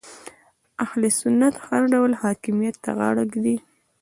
اهل سنت هر ډول حاکمیت ته غاړه ږدي